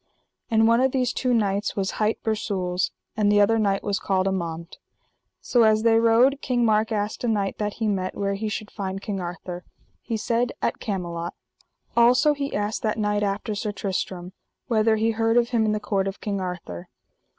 And one of these two knights hight Bersules, and the other knight was called Amant. So as they rode King Mark asked a knight that he met, where he should find King Arthur. He said: At Camelot. Also he asked that knight after Sir Tristram, whether he heard of him in the court of King Arthur.